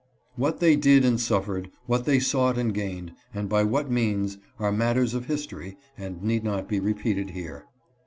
What they did and suffered, what they sought and gained, and by what means, are matters of history, and need not be repeated here.